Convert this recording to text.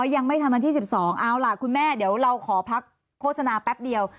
ยังไม่ทันวันที่๑๒เอาล่ะคุณแม่เดี๋ยวเราขอพักโฆษณาแป๊บเดียว